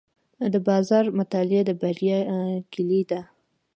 د بازار مطالعه د بریا کلي ده.